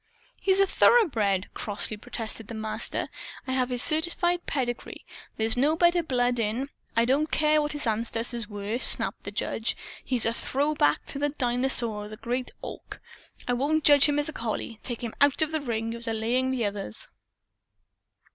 "He's a thoroughbred," crossly protested the Master. "I have his certified pedigree. There's no better blood in " "I don't care what his ancestors were," snapped the judge. "He's a throw back to the dinosaur or the Great Auk. And I won't judge him as a collie. Take him out of the ring. You're delaying the others."